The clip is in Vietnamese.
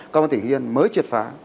công an tỉnh hưng yên mới triệt phá